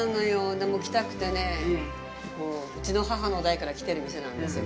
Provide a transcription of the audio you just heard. でも来たくてねうちの母の代から来てる店なんですよ